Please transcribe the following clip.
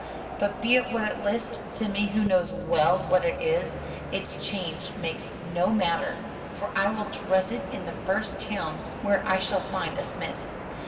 But be it what it list, to me who knows well what it is, its change makes no matter, for I will dress it in the first town where I shall find a smith.